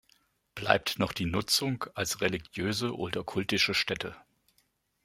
Bleibt noch die Nutzung als religiöse oder kultische Stätte.